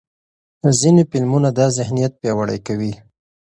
ځینې فلمونه دا ذهنیت پیاوړی کوي.